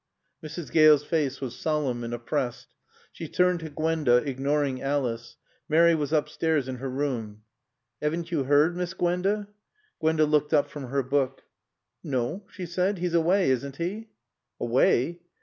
Mrs. Gale's face was solemn and oppressed. She turned to Gwenda, ignoring Alice. (Mary was upstairs in her room.) "'Aven't yo 'eerd, Miss Gwanda?" Gwenda looked up from her book. "No," she said. "He's away, isn't he?" "Away?